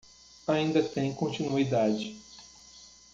Ainda tem continuidade